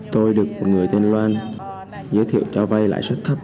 tôi được một người tên loan giới thiệu cho vay lãi suất thấp